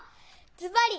ずばり！